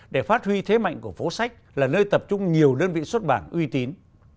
để phát huy thế mạnh của phố sách là nơi tập trung nhiều đơn vị xuất bản uy tín